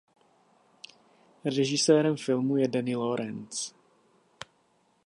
Režisérem filmu je Denny Lawrence.